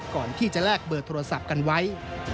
ก่อนที่จะแลกเบอร์โทรศัพท์กันไว้